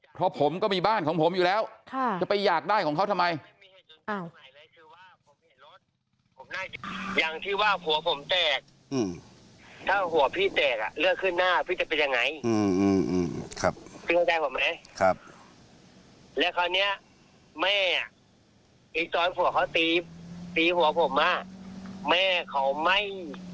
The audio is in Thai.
เพราะผมก็มีบ้านของผมอยู่แล้วจะไปอยากได้ของเขาทำไม